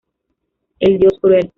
El Dios cruel".